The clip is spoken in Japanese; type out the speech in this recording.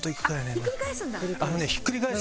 あっひっくり返すんだ。